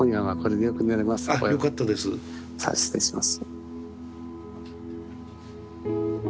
じゃあ失礼します。